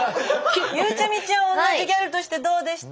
ゆうちゃみちゃんは同じギャルとしてどうでした？